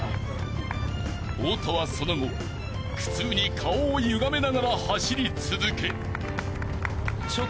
［太田はその後苦痛に顔をゆがめながら走り続け］